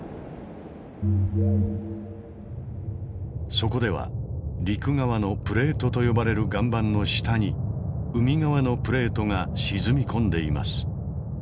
そこでは陸側のプレートと呼ばれる岩盤の下に海側のプレートが沈み込んでいます。